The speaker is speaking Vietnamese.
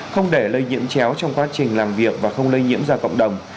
không để lây nhiễm chéo trong quá trình làm việc và không lây nhiễm ra cộng đồng